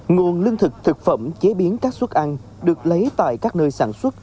nguồn lương thực thực phẩm chế biến các suất ăn được lấy tại các nơi sản xuất